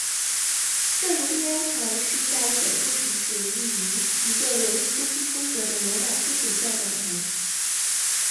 圣儒利安堂是意大利北部城市里米尼一座文艺复兴风格的罗马天主教教堂。